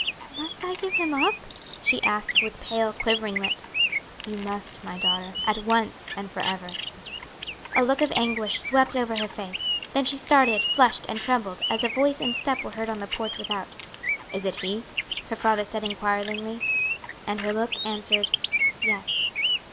"Must I give him up?" she asked with pale, quivering lips. "You must, my daughter; at once and for ever." A look of anguish swept over her face, then she started, flushed, and trembled, as a voice and step were heard on the porch without. "It is he?" her father said inquiringly, and her look answered, "Yes."